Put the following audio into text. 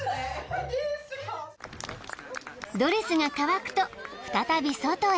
［ドレスが乾くと再び外へ。